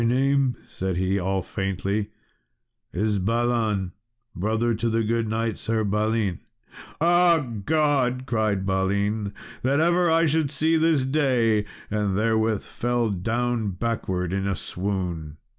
"My name," said he, all faintly, "is Balan, brother to the good knight Sir Balin." "Ah, God!" cried Balin, "that ever I should see this day!" and therewith fell down backwards in a swoon.